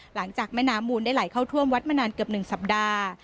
หลังจากแม่น้ำมูลได้ไหลเข้าท่วมวัดมานานเกือบ๑สัปดาห์